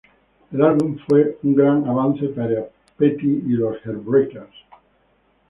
El álbum fue un gran avance para Petty y los Heartbreakers.